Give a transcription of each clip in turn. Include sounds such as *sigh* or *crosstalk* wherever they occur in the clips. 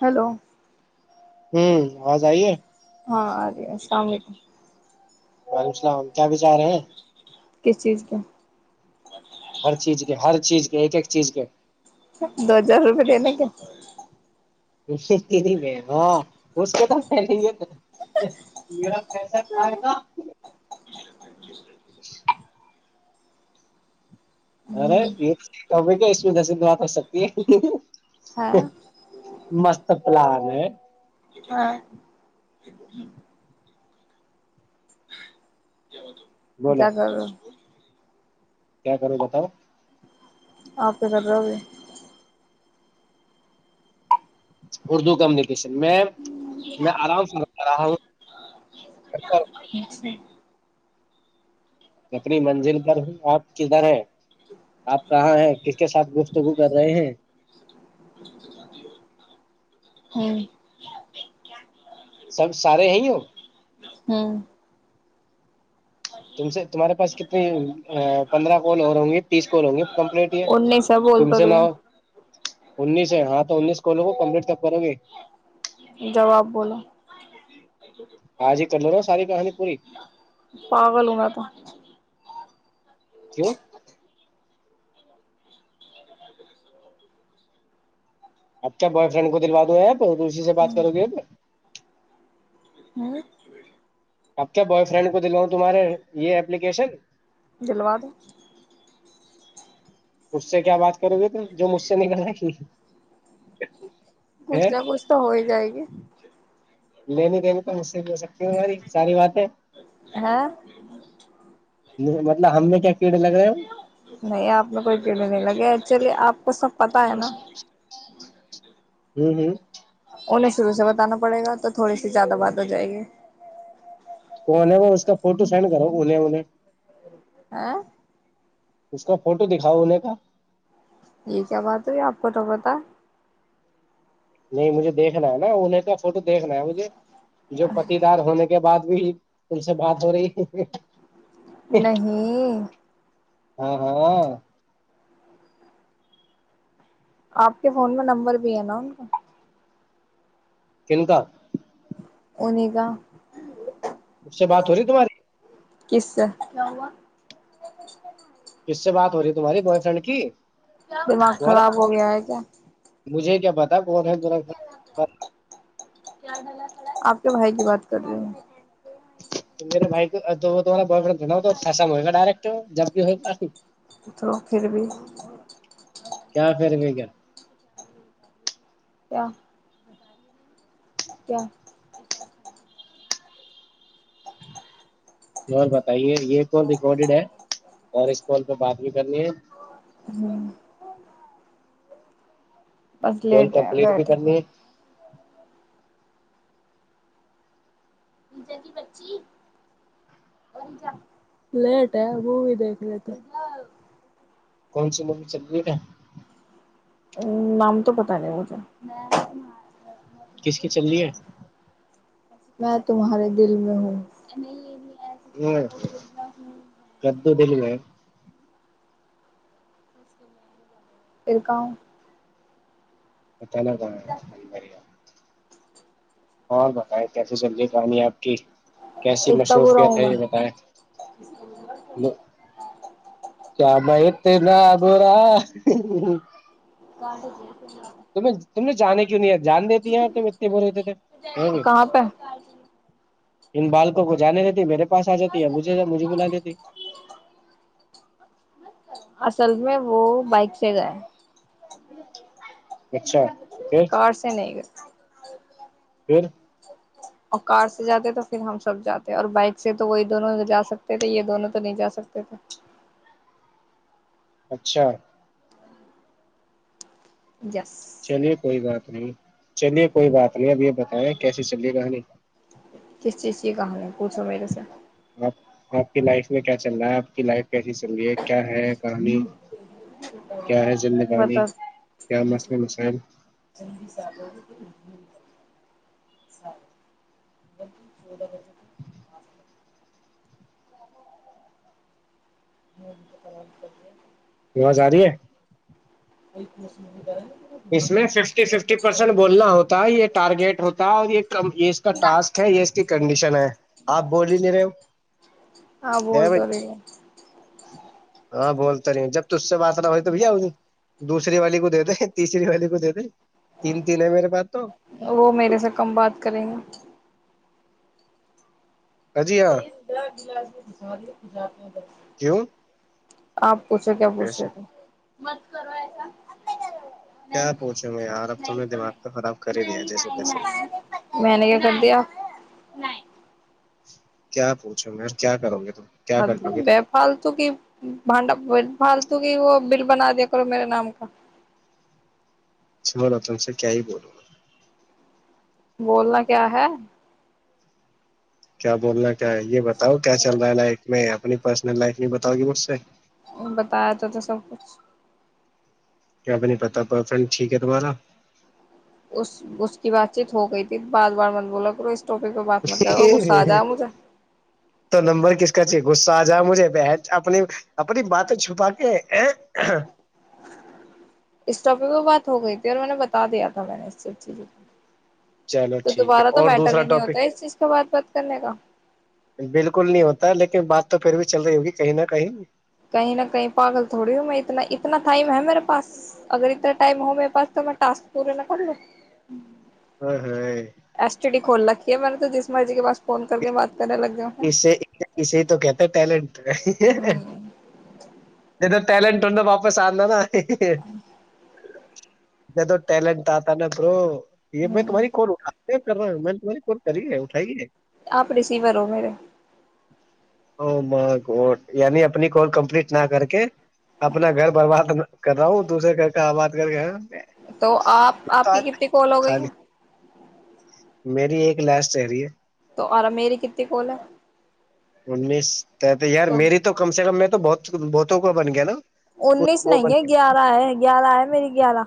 Hello ہوں آواز آئیے ہاں ارے السلام علیکم وعلیکم السلام کیا بچارے کس چیز کے ہر چیز کے ہر چیز کے ایک ایک چیز کے دو ہزار روپئے دینے کے میں اس کو تو کیسا کھائے گا ارے یہ تو ہے کیا اس میں دس بات کر سکتی ہے ہاں مست پلان ہے ہاں بولو *inaudible* کیا کرو بتاؤ آپ کر رہ ہو گے اردو کمیونیکیشن میں میں آرام سے رہا ہوں جی اپنی منزل پر ہوں آپ کدھر ہے آپ کہاں ہیں کس کے ساتھ گفتگو کر رہے ہیں ہوں سب سارے ہیں ہو ہوں تم سے تمہارے پاس کتنی پندرہ کول اور ہوں گے تیس کول ہوں گے ان نہیں سا بولتا رہے انیس ہے ہاں تو انیس کو لوگ کو کمپلیٹ تب کرو گے جواب بولو آج ہی کر لو نا ساری کہانی پوری پاگولوں گا تو کی آپ کیا بوائے فرینڈ کو دلوا دوے آپ اسی سے بات کرو گے اب کیا بوائے فرینڈ کو دلواؤں تمہارے یہ اپلیکیشن جلوا د مجھ سے کیا بات کرو گے تم جو مجھ سے نکلا کی کچھ نہ کچھ تو ہو ہی جائے گی جھ لینی دین تو مجھ سے بھی ہو سکتی ہوں تاری ساری باتیں ہاں مطلب ہم نے کیا کیڑے لگ رہے ہیں نہیں آپ نے کوئی پیڑے نہیں لگے ایکچولی آپ وہ سب پتا ہے نا ہوں ہوں انہیں شروع سے بتانا پڑے گا تو تھوڑی سی زیادہ بات ہو جائے گی تویں وہ اس کا فوٹو سینڈ کرو انیں انہیں ہ اس کا فوٹو دکھاؤ ہونے کا یہ کیا بات ہوئی آپ کو تو پتا نہیں مجھے دیکھنا ہے نا انہیں کا فوٹو دیکھنا ہے مجھے جو پتی دار ہونے کے بعد بھی ان سے بات ہو رہی ہے نہیں ہاں ہاں آپ کے فون میں نمبر بھی ہے نا ان کا کن کا اننے کاا سے بات ہو رہی تمہاری کس کس سے بات ہو رہی ہے تمہاری بوائے فرینڈ کی دماغ تمہارا خراب ہو گیا ہے کیا مجھے کیا پتا کون ہےا آپ کے بھائی کی بات کر رہے ہیں میرے بائی تو وہ ب فڈ بنا ہو توسا میں ہوئے گ ڈائریکٹ جب بھی ہوفی تو پھر بھی کیا پھر میں کیا کیا کیا اور بتائیے یہ کال ریکارڈیڈ ہے اور اس کال پہ بات بھی کرنی ہے ہوں بس ٹول لیٹ ہے کمپلیٹ بھی بیٹھے کرنی ہے لیٹ ہے وہ بھی دیکھ لیتے کون سی مووی چل رہی ہے ا نام تو پتا نہیں مجھے کس کی چلی ہے میں تمہارے دل میں ہوں ہ گدو دل میں پھر گاؤں اتلر کون ہے بڑیا اور بتائیں کیسے چل رہیے کہانی آپ کیسی اتنا برا مصروفیت ہوں ہے یہ بتائیں کیام تیندورا گڈو بکل ت تم نے جانے کیوں نہیں آ جان دیتی ہیں تو اتتے بول دیتے تھے میں بھی کہاں پہ ان بالکوں کو جانے دیتی میرے پاس آ جاتی ہے مجھے مجھے بلا دیتی اصل میں وہ بائک سے گئے ج ک سے نہیں گ پھر اور کار سے جاتے تو پھر ہم سب جاتے ہیں اور بائک سے تو وہی دونوں جا سکتے تھے یہ دونوں تو نہیں جا سکتے تھے اچھا جس چلیے کوئی بات نہیں چلیے کوئی بات نہیں اب یہ بتائیں کیسے چلیے گانی اچی ای کہانی ہے کچھ میرد سےے آپ آپ کی لائف میں کیا چل رہا ہے آپ کی لائف کیسی چل رہی ہے کیا ہے کہانی کیا ہے زندگانی بتا کیا مسم مسائل سٹ ب چوڑ گچۃ آس م کر آواز آ رہی ہے ب ہے اس میں ففٹی ففٹی پرسینٹ بولنا ہوتا یہ ٹارگیٹ ہوتا ہے اور یہ ک یہ اس کا ٹسک ہے یہ اس کی کنڈیشن ہے آپ بول ہی لے رہے ہو ہاں بول بھائی تو رہی ہاں بول تو رہی جب ت اس سے بسلہ ہو توب دوسری والی کو دتے تیسری والی کو دے دیں تین تین ہے میرے پاس تو وہ میرے سے کم بات کریں گے ہ جی ہ گزاری ج ب کیوں آپ پچھ کیا بے ایسے تھ مز کرو ایسا آپ کا کر رہا نہیں کیا پوچھوں میں یار اب تم نہیں نے تو دماغ نہیں خراب کر ہی دیا نہیں جیسے تیسے نہیں میں نے کیا کر دیا کیا پوچھو گے کیا کرو گے تم کیا ہاں کر تو لو گے ب تم فھالتو کی بھڈا پال کیکہ وہ بل بنا دیا کرو میرے نام کا چ بلا تم سے کیا ہی بولوں بولنا کیا ہے کیا بول رہے ہے یہ بتاؤ کیا چل رہا ہے لائق میں اپنی پرسنل لائف نہیں بتاؤ گی مجھ سے بتایا تو تھا سب کچھ کیا بھی نہیں پتا بوائے فرینڈ ٹھیک ہے تمہارا اس اس کی بات *inaudible* ٹھیک ہو گئی تھی بار بار مت بولا کرو اس کو تو نمبر کس کا چاہے غصہ آ جاؤ مجھے بن اپنی اپنی باتیں چھپا کے اس ٹاپک پر بات ہو گئی تھی اور میں نے بتا دیا تھا میں نے اس سب چیزوں کو چلو تو ٹھیک ہے دوبارہ تو اور میٹر دوسرا ہی نہیں ٹاپک ہوتا ہے اس چیز کا بات بات کرنے کا بالکل نہیں ہوتا لیکن بات تو پھر بھی چل رہی ہوگی کہیں نہ کہیں کہیں نہ کہیں پاگل تھوڑی ہوں میں اتنا اتنا ٹائم ہے میرے پاس اگر اتنا ٹائم ہو میرے پاس تو میں ٹاسک پورے نہ کر لوں ائے ہائے یہ م تو جسم جی ب *unintelligible* اسے اسے تو کہتے ٹیلنٹ ہمم جد *unintelligible* ٹلنٹ ہہ تو واپس اندا ہے *inaudible* جدو ٹائلٹ تھا نا برو یہ میں تمہاری کال اٹھا کیا کر رہا ہوں میں نے تمہ کو کری ہے اٹھائیے آپ ریسیور ہو میرے او مائی گاڈ یعنی اپنی کال کمپلیٹ نہ کر کے اپنا گھر برباد کر رہا ہوں دوسرے گھر کا آباد کر کے تو آپ آپ کی کتنی کول ہو گئی خالی میری ایک لاسٹ رہ رہی ہے اورا میری کتے کول ہے انیس تو یار میری تو کم سے کم میں تو تو بہت بہتوں کا بن گیا نا ان نیس وہ نہیں بن ہے گیارہ ہے گیارہ آئے میری گیارہ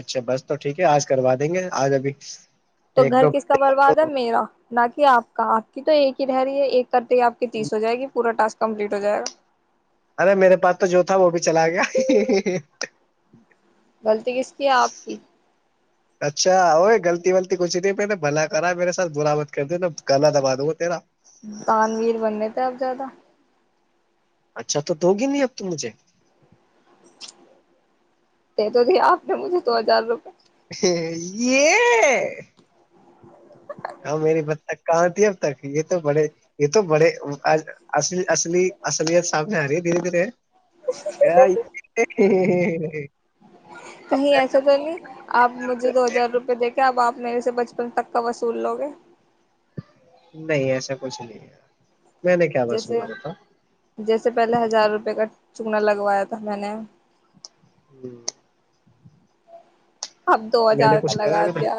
اچھا بس تو ٹھیک ہے آج کروا دیں گے آج ابھی تو ایک گھر دو کس کا برباد ہے میرا نہ کہ آپ کا آپ کی تو ایک ہی رہ رہی ہے ایک کرتے ہی آپ تیس ہو جائے گی پورا ٹسک کمپلیٹ ہو جائے گا ارے میرے پاس تو جو تھا وہ بھی چلا گیا غلطی کس کی ہے آپ کی اچھا وہ غلطی غطتی کچھ نہیں میں نے بھلا کرا میرے ساتھ بر مت کر د نا گلا دبا دوں تیرا تان ویر بننے تھے اپ زیادہ اچھا تو توگی نہیں اب تو مجھے یہ تو ت آپ نے مجھے دو ہزار روپئے یہ ہاں میری بک کہاں تھی اب تک یہ تو بڑے یہ تو بڑے اصل اصلی اصلیت سامنے آ رہی دھیرے دھیرے کہیں ایسا تو نہیں آپ مجھے دو ہزار روپئے دے کے اب آپ میرے سے بچپن تک کا وصول لوگے نہیں ایسا کچھ نہیں ہے میں نے کیا جیسے وصولا بتا جیسے پہلے ہزار روپے کا چوگنا لگوایا تھا میں نے ہوں اب دو میں نے ہزار کا کچھ کرا لگا ابھی تک؟ دیا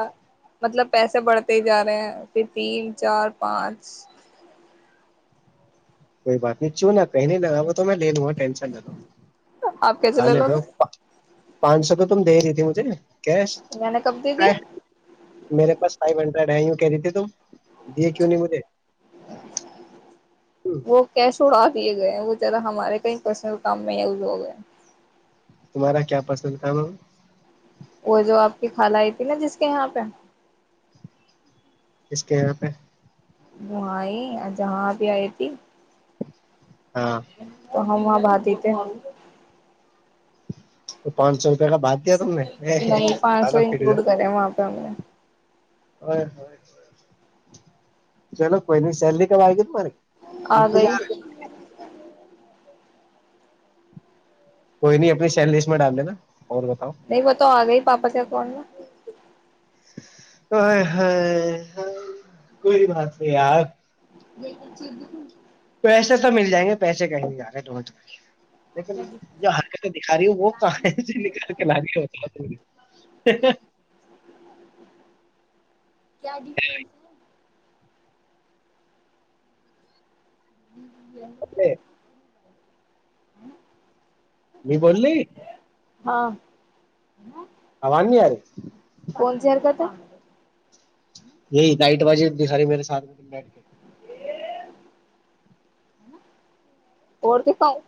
مطلب پیسے بڑھتے ہی جا رہے ہیں پھر تین چار پانچ کوئی بات نہیں چ نہا کہئی نہیں لراب تو میں لے لوں گا ٹینشن نہ دو آپ کیسے ہ لے نہیں لو تو گے پانچ سو تو تم دے رہی تھی مجھے جم ش میں نے کب دے دی میرے پاس فو ہڈڈ لڑائیوں کہہ رہی تھی تم دیے کیوں نہیں مجھے وہ کیش ہوا دیے گئے ہیں وہ ذرا ہمارے کہیں پرسنل کام میں یز ہو گئے تمہارا کیا پسند تھا م وہ جو آپ کی خال آئی تھی نا جس کے یہاں پہ کس کے یہاں پہ وہاںئی جہاں بھی آئی تھی ہاں تو ہم وہاں بات تھ ہم تو پانچ چار نہیں پانچ سو پھر انکلوڈ کرے وہاں پہ ہم نے چلو کوئی نہیں سیلری کب آ گئی ت ماری *unintelligible* آ گئی *unintelligible* کوئی نہیں اپنی سیل لسٹ میں ڈاب لے نا نہیں وہ تو آ گئی بابا کیا کون نا کوئی بات نہیں یار بالکل چی پیسے تو مل جائیں گے پیسے کہیں ے دو *unintelligible* لیکن جو ح دکھا رہی ہوں وہ کہ نک کے لای *unintelligible* کیا *unintelligible* کیا ڈفرنس ہے *inaudible* اے *unintelligible* ہوں *unintelligible* م بوللی *unintelligible* ہاں آان نہیںی ار *unintelligible* کون سی حرکت ہے یہی تائٹ بازی دکھا رہی میرے سات میں بیٹھ کے اور کہ پائے *inaudible*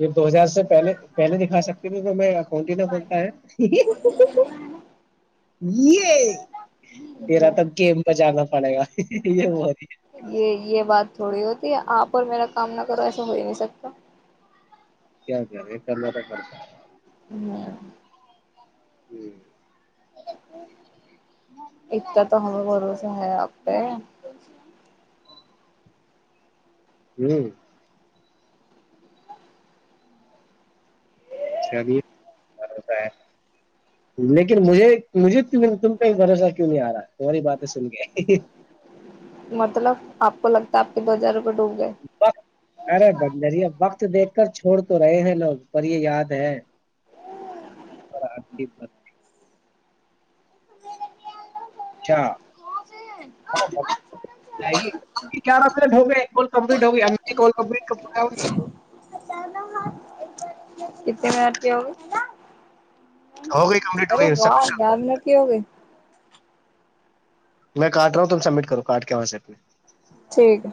یہ دو ہزار سے پہلے پہلے دکھا سکتی ت میں اکنٹ ہی نہ کنتا ہے یہ تیرا تب گیم ب جانا تھا پڑے گا یہ ب *unintelligible* یہ یہ بات تھوڑی ہوت آپ اور میرا کام نہ کرو ایسا ہو ہی نہیں سکتا کیا کر رہے کرنا تھا کرتا ہ *unintelligible* جی ایکتا تو ہمیں بھروسہ ہے آپ ا *unintelligible* ہوں لیکن مجھے مجھے تم پہ بھروسہ کیوں نہیں آ رہا تمہاری باتیں سن کے مطلب آپ کو لگتا ہے آپ کے بازار وقت ارے بنجرییا وقت دیکھ کر چھوڑ تو رہے ہیں لوگ پر یہ یاد ہے اور آپ اچھا گی کیاٹ ہوگ کمپٹ ہوگی کمگی کتنے منٹ کے ہو ہو گئی کمپلیٹ ارے ہوگئی واہ دان میں کی ہو گئی میں کاٹ رہا ہوں تم سمٹ کرو کاارڈ کیا وہاں سے اپنے ٹھیک ہے